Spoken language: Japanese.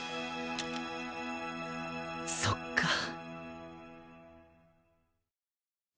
そっか。